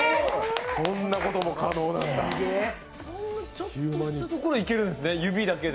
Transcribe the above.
ちょっとしたとこでいけるんですね。